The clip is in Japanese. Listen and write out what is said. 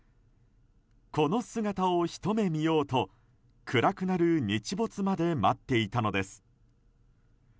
この姿をひと目見ようと暗くなる日没まで待っていたのです。